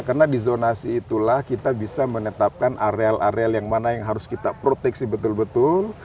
karena di zonasi itulah kita bisa menetapkan areal areal yang mana yang harus kita proteksi betul betul